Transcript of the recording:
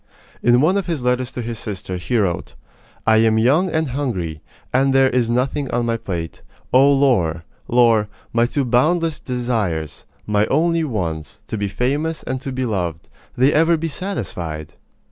In one of his letters to his sister, he wrote: I am young and hungry, and there is nothing on my plate. Oh, Laure, Laure, my two boundless desires, my only ones to be famous, and to be loved they ever be satisfied?